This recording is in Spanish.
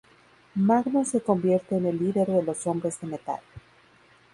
Magnus se convierte en el líder de los Hombres de Metal.